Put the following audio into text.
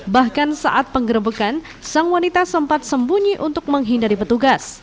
bahkan saat penggerbekan sang wanita sempat sembunyi untuk menghindari petugas